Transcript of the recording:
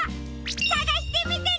さがしてみてね！